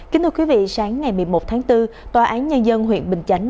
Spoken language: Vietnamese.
kính thưa quý vị sáng ngày một mươi một tháng bốn tòa án nhân dân huyện bình chánh